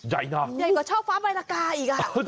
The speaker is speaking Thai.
ใหญ่กว่าช่องฟ้าบรรยากาอีก